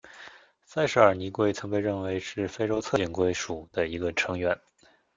塞舌耳泥龟曾被认为是非洲侧颈龟属的一个成员。